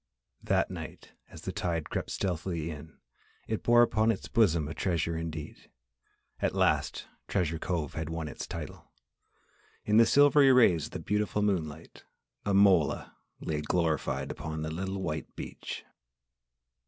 That night as the tide crept stealthily in it bore upon its bosom a treasure indeed! At last Treasure Cove had won its title. In the silvery rays of the beautiful moonlight a mola lay glorified upon the little white beach.